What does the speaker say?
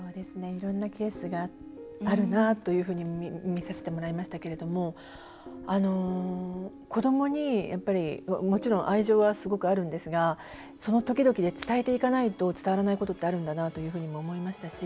いろんなケースがあるなというふうに見させてもらいましたけれども子どもに、もちろん愛情はすごくあるんですがその時々で、伝えていかないと伝わらないことってあるんだなと思いましたし